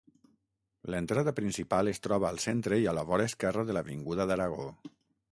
L'entrada principal es troba al centre i a la vora esquerra de l'avinguda d'Aragó.